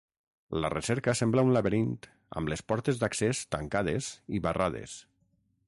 La recerca sembla un laberint amb les portes d'accés tancades i barrades.